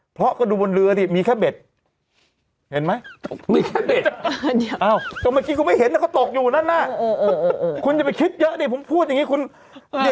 เพราะก็ดูบนเรือนี่มีแค่เบ็ด